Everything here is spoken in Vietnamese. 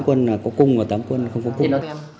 tám quân là có cung và tám quân là không có cung